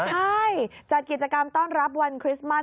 ใช่จัดกิจกรรมต้อนรับวันคริสต์มัส